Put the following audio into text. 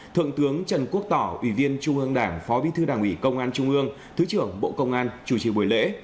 thượng tướng trần quốc tỏ ủy viên trung ương đảng phó bí thư đảng ủy công an trung ương thứ trưởng bộ công an chủ trì buổi lễ